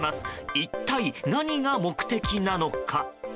一体、何が目的なのか？